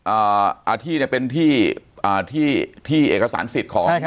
อ่าอาที่เนี้ยเป็นที่อ่าที่ที่เอกสารสิทธิ์ของ